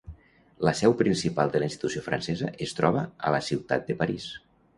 La seu principal de la institució francesa es troba a la ciutat de París.